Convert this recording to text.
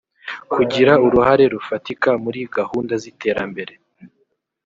kugira uruhare rufatika muri gahunda z iterambere